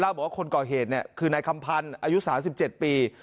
บอกว่าคนก่อเหตุคือนายคำพันธ์อายุ๓๗ปี